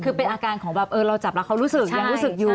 คือเป็นอาการของแบบเออเราจับแล้วเขารู้สึกยังรู้สึกอยู่